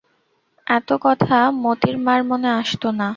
এত কথা মোতির মার মনে আসত না।